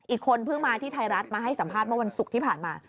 อีกคนเพิ่งมาที่ไทยรัฐมาให้สัมภาษณ์เมื่อวันศุกร์ที่ผ่านมา